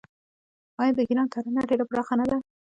آیا د ایران کرنه ډیره پراخه نه ده؟